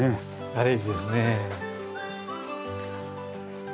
ガレージですね。